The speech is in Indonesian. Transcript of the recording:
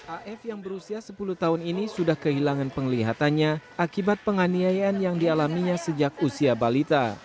af yang berusia sepuluh tahun ini sudah kehilangan penglihatannya akibat penganiayaan yang dialaminya sejak usia balita